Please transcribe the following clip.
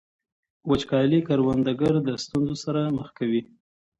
وچکالي کروندګر له ستونزو سره مخ کوي.